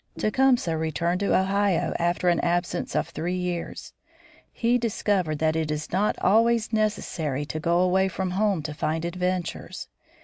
Tecumseh returned to Ohio after an absence of three years. He discovered that it is not always necessary to go away from home to find adventures.